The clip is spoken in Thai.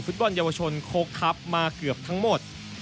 บอลเยาวชนโค้กครับมาเกือบทั้งหมด